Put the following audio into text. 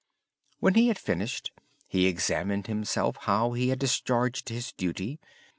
When he had finished, he examined himself how he had discharged his duty.